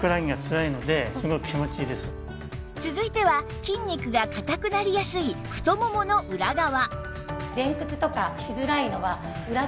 続いては筋肉が硬くなりやすい太ももの裏側